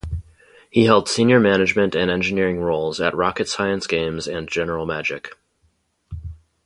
He held senior management and engineering roles at Rocket Science Games and General Magic.